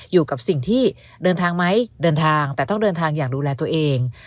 อยู่กับสิ่งที่เดินทางไหมเดินทางแต่ต้องเดินทางอย่างดูแลตัวเอง